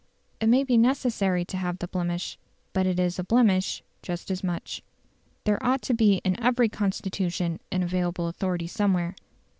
It may be necessary to have the blemish, but it is a blemish just as much. There ought to be in every Constitution an available authority somewhere.